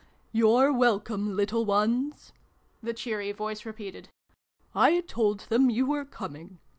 " You're welcome, little ones !" the cheery voice repeated. " I told them you were coming.